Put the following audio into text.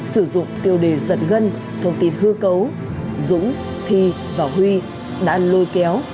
sử dụng tiêu đề giật gân thông tin hư cấu dũng thi và huy đã lôi kéo